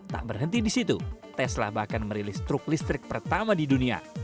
tak berhenti di situ tesla bahkan merilis truk listrik pertama di dunia